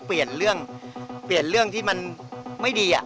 เปลี่ยนเรื่องที่มันไม่ดี